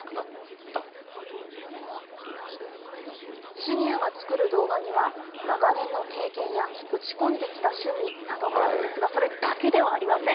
シニアが作る動画には、長年の経験や打ち込んできた趣味などがあるんですが、それだけではありません。